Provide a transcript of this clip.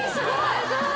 すごい！